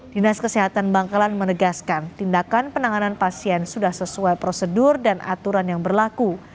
dinas kesehatan bangkalan menegaskan tindakan penanganan pasien sudah sesuai prosedur dan aturan yang berlaku